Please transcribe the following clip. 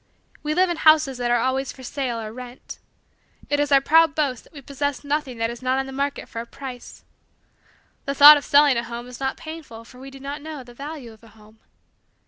We live in houses that are always for sale or rent. It is our proud boast that we possess nothing that is not on the market for a price. The thought of selling a home is not painful for we do not know, the value of a home.